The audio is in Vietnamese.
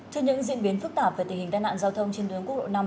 trên những diễn biến phức tạp về tình hình tai nạn giao thông trên tuyến quốc lộ năm